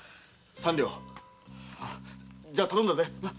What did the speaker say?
三両じゃ頼んだぜ。